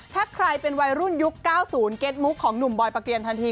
ถ้าใครเป็นวัยรุ่นยุค๙๐เก็ตมุกของหนุ่มบอยปะเกียรทันที